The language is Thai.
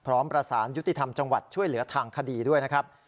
พร้อมประสานยุติธรรมจังหวัดช่วยเหลือทางคดีด้วยนะครับ